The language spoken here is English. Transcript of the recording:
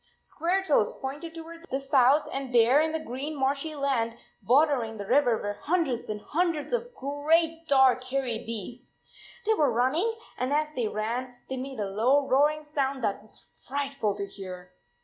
Squaretoes pointed toward the south, and there in the green marshy land bordering the river were hundreds and hundreds of great dark hairy beasts. They were run ning, and as they ran, they made a low roaring sound that was frightful to hear.